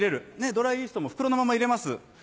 ドライイーストも袋のまま入れます。